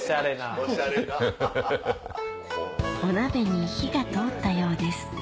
お鍋に火が通ったようです